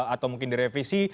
atau mungkin direvisi